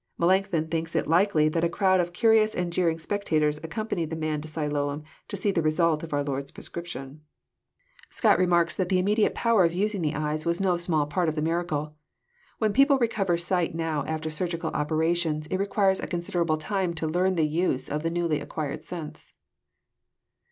Melancthon thinks it likely that a crowd of curious and Jeer ing spectators accompanied the man to Siloam to see the result of our Lord's prescription. JOHN, CHAP. IX. 147 Scott remarks that the immediate power of using the eyes \ras no small part of the miracle. When people recover sight now after surgical operatious, it requires a considerable time to learn the use of the newly acquired sense.